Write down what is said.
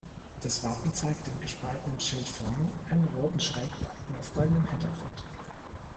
Das Wappen zeigt im gespaltenen Schild vorne einen roten Schrägbalken auf goldenem Hintergrund.